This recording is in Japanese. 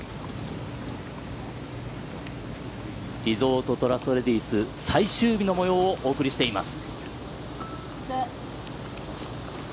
リゾートトラストレディス最終日の模様をお送りしています。